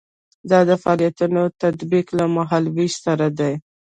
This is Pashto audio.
دا د فعالیتونو تطبیق له مهال ویش سره ده.